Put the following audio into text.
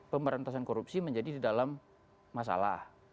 pemberantasan korupsi menjadi di dalam masalah